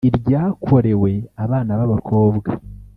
iryakorewe abana b’abakobwa